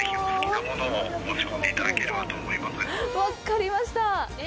分かりました！